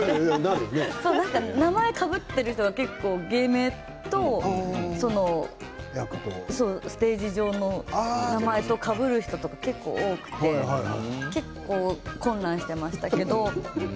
名前がかぶっている人が結構いて芸名とステージ上の名前とかぶる人が結構多くて混乱していましたけれど。